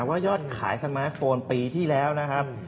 ว่ายอดขายสมาร์ทโฟนปีที่แล้วนะครับ